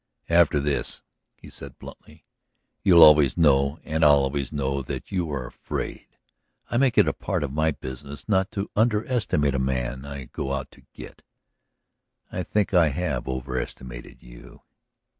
"After this," he said bluntly, "you'll always know and I'll always know that you are afraid. I make it a part of my business not to under estimate the man I go out to get; I think I have overestimated you."